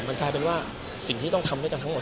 มันกลายเป็นว่าสิ่งที่ต้องทำด้วยกันทั้งหมด